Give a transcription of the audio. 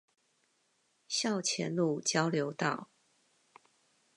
校前路交流道